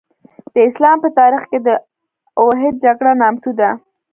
د اسلام په تاریخ کې د اوحد جګړه نامتو ده.